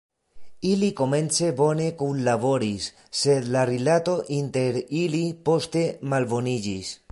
Ili komence bone kunlaboris, sed la rilato inter ili poste malboniĝis.